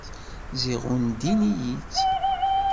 Ziɣ undin-iyi-tt.